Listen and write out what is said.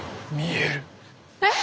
えっ？